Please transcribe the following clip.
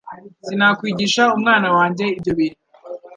Sinakwigisha umwana wanjye ibyo bintu